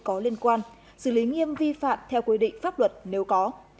có liên quan xử lý nghiêm vi phạm theo quy định pháp luật nếu có